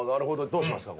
どうしますか？